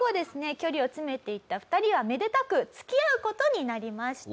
距離を詰めていった２人はめでたく付き合う事になりました。